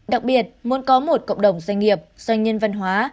đặc biệt muốn có một cộng đồng doanh nghiệp doanh nhân văn hóa